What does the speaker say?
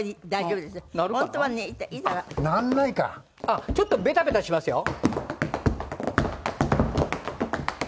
あっちょっとベタベタしますよ。